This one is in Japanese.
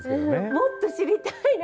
もっと知りたい何か。